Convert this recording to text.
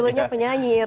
kalau dulu penyanyi